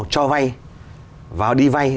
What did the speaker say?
cho vay vào đi vay